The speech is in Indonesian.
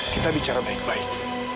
kita bicara baik baik